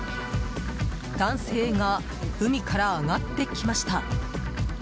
男性が海から上がってきました。